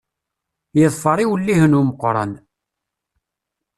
Yeḍfer iwellihen n umeqqran.